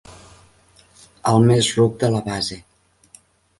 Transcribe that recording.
El més ruc de la base.